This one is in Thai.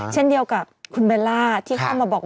เช่นเดียวกับคุณเบลล่าที่เข้ามาบอกว่า